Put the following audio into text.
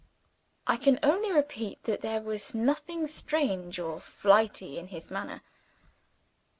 I can only repeat that there was nothing strange or flighty in his manner.